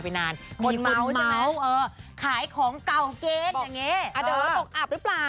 มีคุณเม้าส์ใช่ไหมเออขายของเก่าเกณฑ์อย่างนี้อ่ะเดี๋ยวตกอับหรือเปล่า